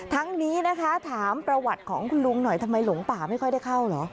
ทั้งนี้นะคะถามประวัติของคุณลุงหน่อยทำไมหลงป่าไม่ค่อยได้เข้าเหรอ